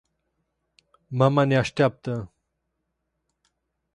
Mama ne asteapta.